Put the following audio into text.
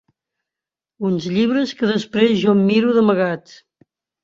Uns llibres que després jo em miro d'amagat.